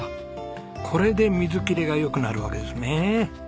これで水切れがよくなるわけですね。